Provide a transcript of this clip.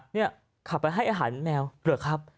นี่ขับไปให้อาหารแมวเหรอครับ